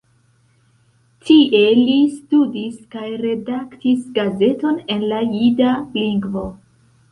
Tie li studis kaj redaktis gazeton en la jida lingvo.